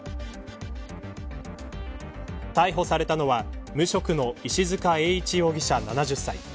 逮捕されたのは無職の石塚永一容疑者、７０歳。